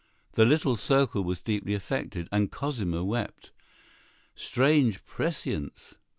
The little circle was deeply affected, and Cosima wept. Strange prescience!